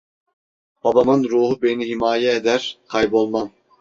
Babamın ruhu beni himaye eder, kaybolmam…